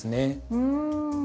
うん。